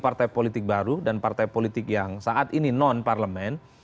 partai politik baru dan partai politik yang saat ini non parlemen